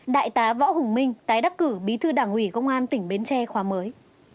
đại tá võ hùng minh tái đắc cử bí thư đảng ủy công an tỉnh bến tre khóa mới